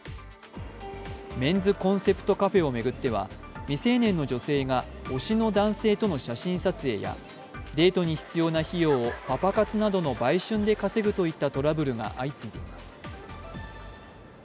メンズコンセプトカフェを巡っては未成年の女性が推しの男性との写真撮影やデートに必要な費用をパパ活などの売春で稼ぐといったトラブルが相次いでいます。